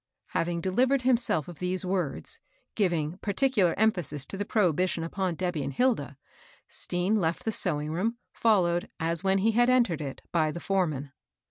Having delivered himself of these words, giving particular emphasis to the prohibition upon Debby and Hilda, Stean left the sewing room, followed, as when he had entered it, by the foreman.